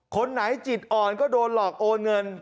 คนไหนจิตอ่อนก็โดนหลอกโอนเงิน